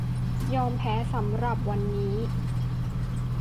ยอมแพ้สำหรับวันนี้